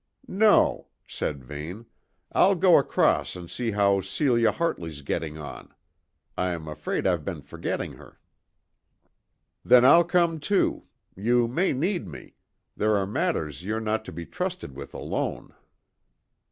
"No," said Vane; "I'll go across and see how Celia Hartley's getting on. I'm afraid I've been forgetting her." "Then I'll come too. You may need me; there are matters you're not to be trusted with alone."